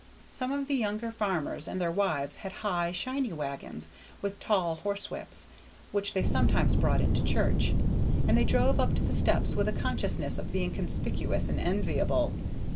Some of the younger farmers and their wives had high, shiny wagons, with tall horsewhips, which they sometimes brought into church, and they drove up to the steps with a consciousness of being conspicuous and enviable.